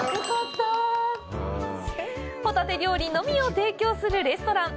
ホタテ料理のみを提供するレストラン。